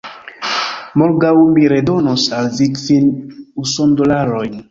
Morgaŭ mi redonos al vi kvin usondolarojn